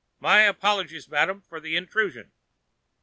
"My apologies, madam, for the intrusion.